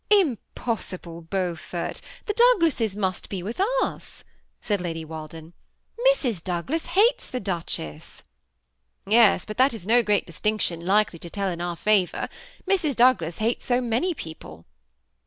'^Impossible, 'BesMfort; the Douglases must be with us," said Lady Walden. ''Mrs. Douglas hates the duchess." *^ Yes ; but that is no great distinction likely to tell in our favor. Mrs. Douglas hates so many people."